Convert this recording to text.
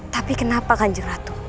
tapi kenapa kan jeratu